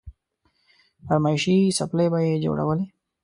فرمايشي څپلۍ به يې جوړولې.